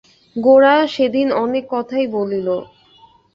গোরা সেদিন অনেক কথাই বলিল।